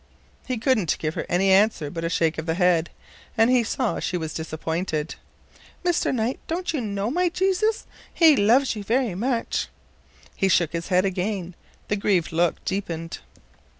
He couldn't give her any answer but a shake of the head, and he saw she was disappointed. "Mr. Knight, don't you know my Jesus? He loves you very much." He shook his head again. The grieved look deepened.